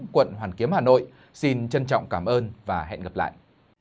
cảm ơn các bạn đã theo dõi và hẹn gặp lại